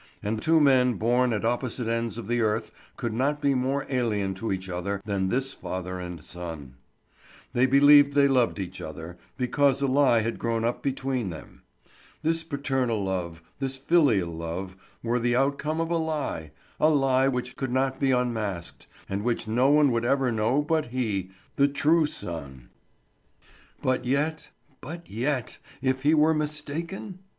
And two men born at opposite ends of the earth could not be more alien to each other than this father and son. They believed they loved each other, because a lie had grown up between them. This paternal love, this filial love, were the outcome of a lie—a lie which could not be unmasked, and which no one would ever know but he, the true son. But yet, but yet—if he were mistaken?